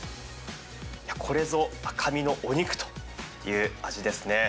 これぞ赤身のお肉という味ですね。